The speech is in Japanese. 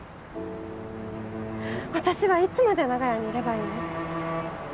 私はいつまで長屋にいればいいの？